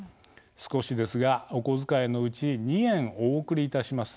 少しですが、お小遣いのうち２円、お送りいたします。